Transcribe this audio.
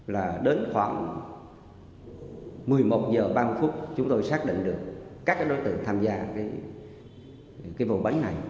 là đến khoảng một mươi một h ba mươi phút chúng tôi xác định được các đối tượng tham gia cái vụ bánh này